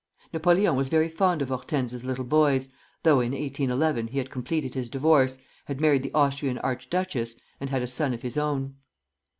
Napoleon was very fond of Hortense's little boys, though in 1811 he had completed his divorce, had married the Austrian archduchess, and had a son of his own.